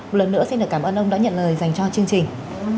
một lần nữa xin được cảm ơn ông đã nhận lời dành cho chương trình